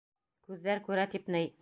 Күҙҙәр күрә тип ней.